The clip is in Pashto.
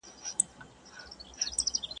د بوډا مخي ته دي ناست څو ماشومان د کلي.